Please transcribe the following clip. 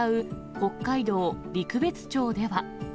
北海道陸別町では。